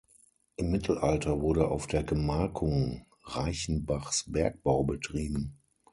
Im Mittelalter wurde auf der Gemarkung Reichenbachs Bergbau betrieben.